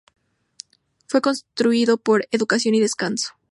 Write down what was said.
Fue construido por Educación y Descanso.